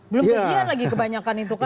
belum pujian lagi kebanyakan itu kan